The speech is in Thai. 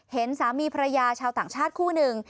เห็นสามีภรรยาชาวต่างชาติคู่หนึ่ง